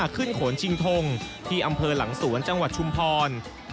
โขนชิงทงที่อำเภอหลังสวนจังหวัดชุมพร